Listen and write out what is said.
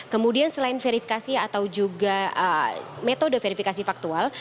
kemudian selain verifikasi atau juga metode verifikasi faktual